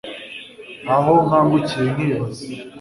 aho nkangukiye nkibaza